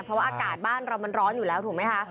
เพราะว่าอากาศบ้านเรามันร้อนอยู่แล้วถูกไหมคะ